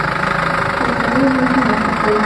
وسایل انرژي مصرفوي.